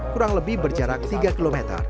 kurang lebih berjarak tiga km